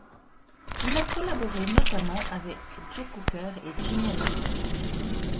Il a collaboré notamment avec Joe Cocker et Jimi Hendrix.